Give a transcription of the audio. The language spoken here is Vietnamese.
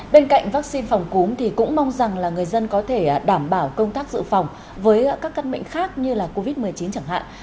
bên cạnh vaccine phòng cúm thì cũng mong rằng là người dân có thể đảm bảo công tác dự phòng với các căn bệnh khác như là covid một mươi chín chẳng hạn